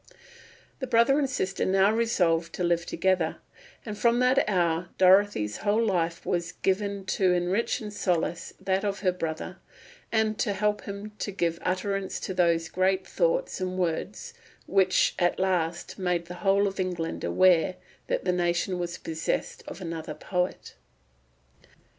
The brother and sister now resolved to live together; and from that hour Dorothy's whole life was given to enrich and solace that of her brother, and to help him to give utterance to those great thoughts and words which at last made the whole of England aware that the nation was possessed of another poet.